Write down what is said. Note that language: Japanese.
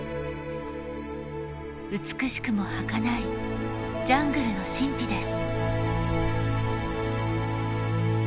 美しくもはかないジャングルの神秘です。